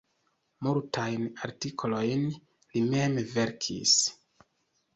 Multajn artikolojn li mem verkis.